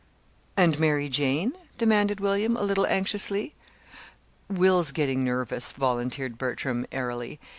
"And Mary Jane?" demanded William, a little anxiously "Will's getting nervous," volunteered Bertram, airily.